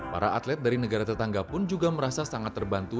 para atlet dari negara tetangga pun juga merasa sangat terbantu